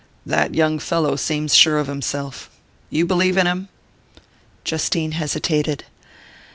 "That young fellow seems sure of himself. You believe in him?" Justine hesitated.